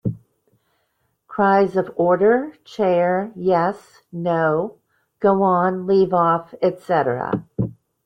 Cries of “Order,” “Chair,” “Yes,” “No,” “Go on,” “Leave off,” etc.